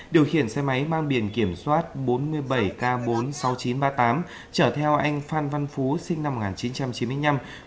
điều khiển xe máy mang biển kiểm soát bốn mươi bảy k bốn mươi sáu nghìn chín trăm ba mươi tám trở theo anh phan văn phú sinh năm một nghìn chín trăm chín mươi năm